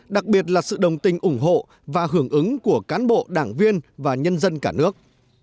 đặc biệt là sự đồng tình ủng hộ và hưởng ứng của cán bộ đảng viên và nhân dân cả nước